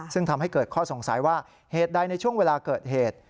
ซึ่งทำให้เกิดข้อสงสัยว่าเหตุใดในช่วงเวลาเกิดเหตุ